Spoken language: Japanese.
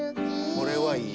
これはいい。